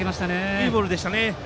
いいボールでした。